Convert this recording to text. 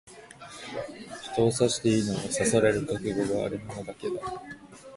人を刺していいのは、刺される覚悟がある者だけだ。